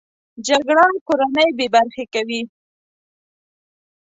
جګړه کورنۍ بې برخې کوي